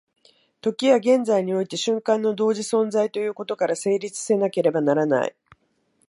時は現在において瞬間の同時存在ということから成立せなければならない。